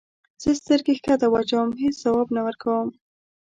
زه سترګې کښته واچوم هیڅ ځواب نه ورکوم.